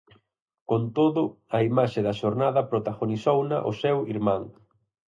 Con todo, a imaxe da xornada protagonizouna o seu irmán.